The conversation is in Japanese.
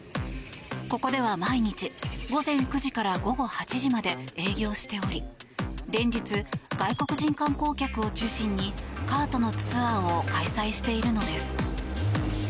ここでは毎日午前９時から午後８時まで営業しており連日、外国人観光客を中心にカートのツアーを開催しているのです。